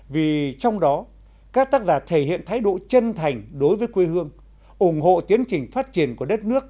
vì trong đó các tác giả thể hiện thái độ chân thành đối với quê hương ủng hộ tiến trình phát triển của đất nước